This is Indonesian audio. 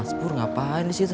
mas pur ngapain sih itu